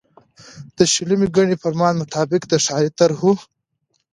د شلمي ګڼي فرمان مطابق د ښاري طرحو